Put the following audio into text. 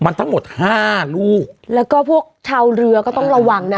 มันทั้งหมดห้าลูกแล้วก็พวกชาวเรือก็ต้องระวังนะ